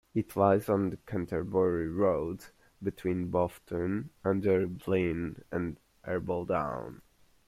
It lies on the Canterbury Road between Boughton under Blean and Harbledown.